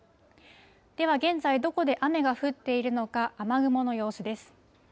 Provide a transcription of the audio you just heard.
では、現在どこで雨が降っているのか、雨雲の様子です。